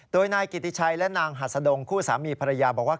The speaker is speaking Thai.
โดยนายกิติชัยและนางหัสดงคู่สามีภรรยาบอกว่า